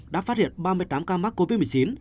đã phát hiện ba mươi tám ca mắc covid một mươi chín